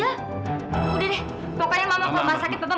udah deh pokoknya mama ke rumah sakit papa